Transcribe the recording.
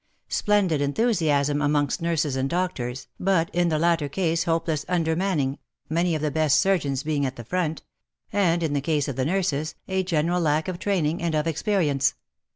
Splendid enthusiasm amongst nurses and doctors, but in the latter case hopeless under manning — many of the best surgeons being at the front — and in the case of the nurses, a general lack of training and of experience.